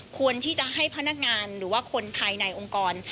ควรที่จะให้พนักงานหรือว่าคนภายในองค์กร